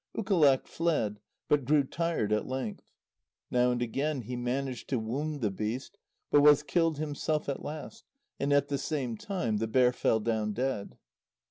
Ukaleq fled, but grew tired at length. Now and again he managed to wound the beast, but was killed himself at last, and at the same time the bear fell down dead.